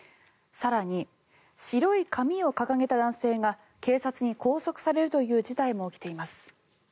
更に、白い紙を掲げた男性が警察に拘束されるという事態も起きています。